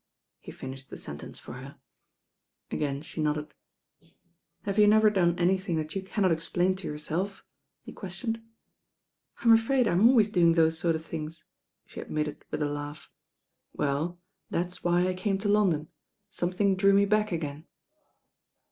he finished the sentence for her. Again she nodded. "Have you never done anything that you cannot explain to yourself?" he questioned. 160 THE RAIN OntL H ; ii .I. "'"?."/"'^?'" •'"'■y* ^*''"« *o»« wrt of tnings, the admitted with a laugh. "WeU, that's why I came to London, tomethinff drew me back again."